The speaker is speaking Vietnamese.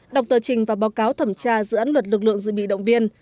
đọc tờ trình và báo cáo thẩm tra dự án luật lực lượng dự bị động viên